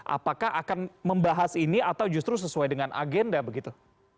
apakah akan membahas ini atau justru sesuai dengan agenda begitu